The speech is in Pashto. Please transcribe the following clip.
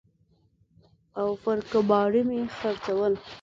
او پر کباړي مې خرڅول.